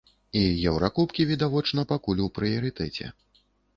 І еўракубкі, відавочна, пакуль у прыярытэце.